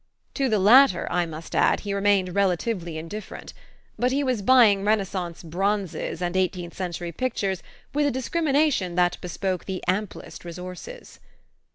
To the latter, I must add, he remained relatively indifferent; but he was buying Renaissance bronzes and eighteenth century pictures with a discrimination that bespoke the amplest resources.